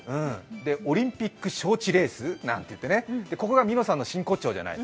オリンピック招致レース？なんてね、ここがみのさんの真骨頂じゃない。